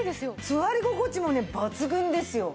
座り心地もね抜群ですよ。